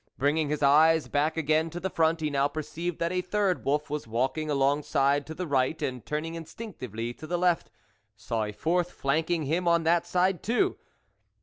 Bringing his eyes back again to the front, he now perceived that a third wolf was walking alongside to the right, and turning instinctively to the left, saw a fourth flanking him on that side too.